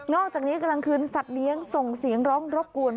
อกจากนี้กลางคืนสัตว์เลี้ยงส่งเสียงร้องรบกวน